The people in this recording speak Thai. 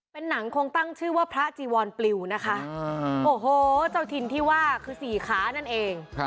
เป็นหนังคงตั้งชื่อว่าพระจีวรปลิวนะคะโอ้โหเจ้าถิ่นที่ว่าคือสี่ขานั่นเอง